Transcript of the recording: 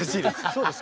そうですか？